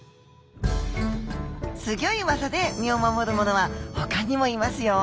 すぎょい技で身を守るものは他にもいますよ。